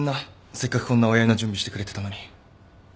せっかくこんなお祝いの準備してくれてたのに。